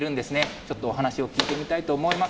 ちょっとお話を聞いてみたいと思います。